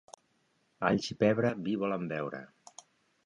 Alls i pebre vi volen beure.